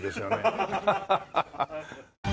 アハハハ！